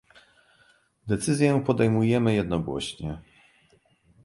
"decyzje podejmujemy jednogłośnie"